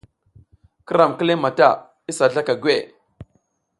Ki ram kileƞ mata isa zlaka gweʼe.